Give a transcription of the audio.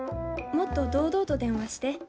もっと堂々と電話して。